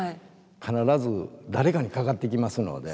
必ず誰かにかかってきますので。